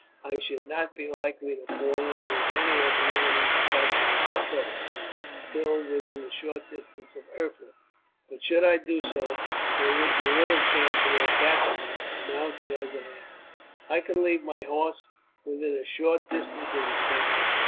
I should not be likely to fall in with any of the enemy's cavalry patrols, till within a short distance of Erfurt; but should I do so, there would be little chance of their catching me, mounted as I am. "I could leave my horse within a short distance of the town.